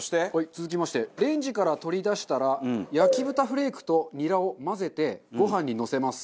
続きましてレンジから取り出したら焼豚フレークとニラを混ぜてご飯にのせます。